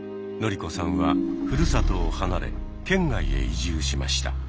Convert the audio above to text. ノリコさんはふるさとを離れ県外へ移住しました。